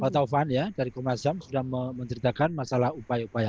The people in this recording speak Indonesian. pak taufan ya dari komnas ham sudah menceritakan masalah upaya upaya